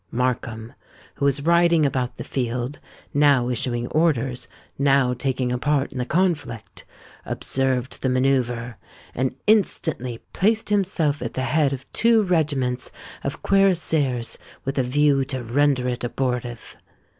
Markham, who was riding about the field,—now issuing orders—now taking a part in the conflict,—observed the manœuvre, and instantly placed himself at the head of two regiments of cuirassiers with a view to render it abortive.